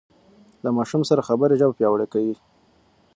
د ماشوم سره خبرې ژبه پياوړې کوي.